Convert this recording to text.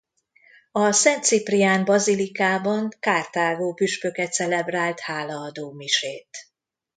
A Szent Ciprián bazilikában Karthágó püspöke celebrált hálaadó misét.